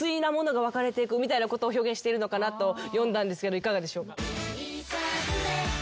みたいなことを表現しているのかなと読んだんですけどいかがでしょうか。